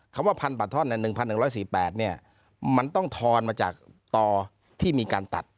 คำว่าพันป่าท่อนในหนึ่งพันหนึ่งร้อยสี่แปดเนี่ยมันต้องทอนมาจากต่อที่มีการตัด